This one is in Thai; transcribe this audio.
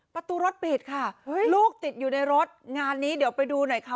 ประตูรถปิดค่ะลูกติดอยู่ในรถงานนี้เดี๋ยวไปดูหน่อยค่ะ